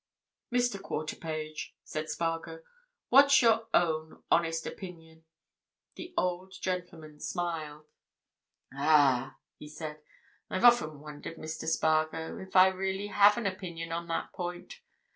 "Mr. Quarterpage," said Spargo, "what's your own honest opinion?" The old gentleman smiled. "Ah!" he said. "I've often wondered, Mr. Spargo, if I really have an opinion on that point.